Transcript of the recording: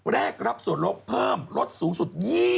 แรกรับส่วนลดเพิ่มลดสูงสุด๒๐